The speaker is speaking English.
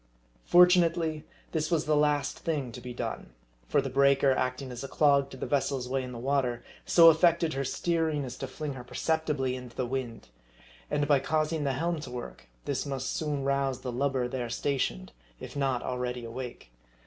Fortunately, this was the last thing to be done ; for the breaker, acting as a clog to the vessel's way in the water, so affected her steering as to fling her perceptibly into the wind. And by causing the helm to work, this must soon rouse the lubber there stationed, if not already awake.